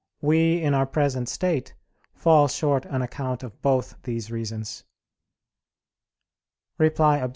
We, in our present state, fall short on account of both these reasons. Reply Obj.